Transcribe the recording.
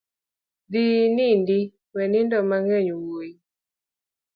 Dhi inindi we nindo mang'eny wuoi.